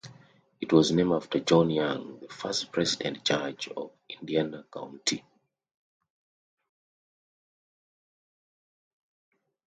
It was named after John Young, the first president judge of Indiana county.